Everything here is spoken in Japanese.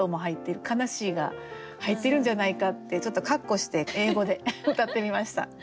悲しいが入ってるんじゃないかってちょっと括弧して英語でうたってみました。